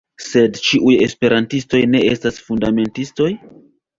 Sed ĉiuj Esperantistoj ne estas fundamentistoj?